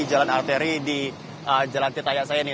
jalan arteri di jalan tirta yasa ini